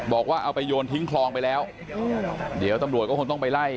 บอกว่าเอาไปโยนทิ้งคลองไปแล้วเดี๋ยวตำรวจก็คงต้องไปไล่